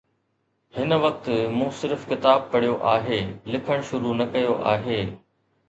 هن وقت مون صرف ڪتاب پڙهيو آهي، لکڻ شروع نه ڪيو آهي.